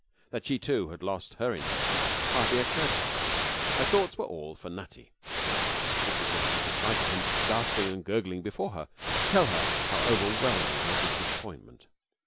That she, too, had lost her inheritance hardly occurred to her. Her thoughts were all for Nutty. It did not need the sight of him, gasping and gurgling before her, to tell her how overwhelming was his disappointment.